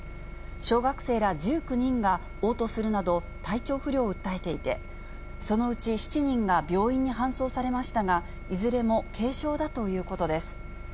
小学生ら１９人がおう吐するなど、体調不良を訴えていて、そのうち７人が病院に搬送されましたが、いずれも軽症だということです。